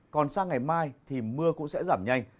còn sang ngày mai thì mưa cũng sẽ giảm nhanh